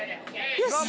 よし！